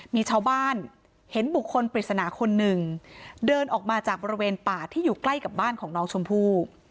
มีชาวบ้านเห็นบุคคลปริศนาคนหนึ่งเดินออกมาจากบริเวณป่าที่อยู่ใกล้กับบ้านของน้องชมพู่